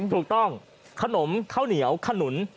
ถูกต้องขนมข้าวเหนียวข้าวหนุน